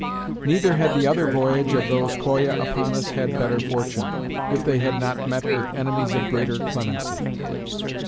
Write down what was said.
Neither had the other voyage of those of Coya upon us had better fortune, if they had not met with enemies of greater clemency.